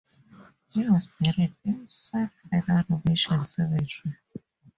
He was buried in San Fernando Mission Cemetery.